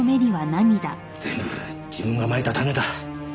全部自分がまいた種だ。